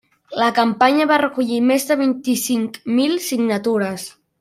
La campanya va recollir més de vint-i-cinc mil signatures.